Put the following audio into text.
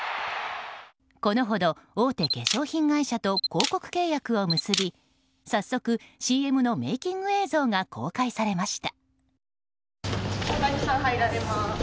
このほど、大手化粧品会社と広告契約を結び早速、ＣＭのメイキング映像が公開されました。